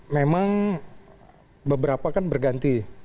memang beberapa kan berganti